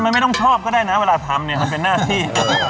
มันไม่ต้องชอบก็ได้นะเวลาทำเนี่ยมันเป็นหน้าที่